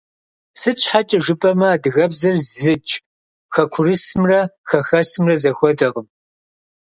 Сыт щхьэкӀэ жыпӀэмэ, адыгэбзэр зыдж хэкурысымрэ хэхэсымрэ зэхуэдэкъым.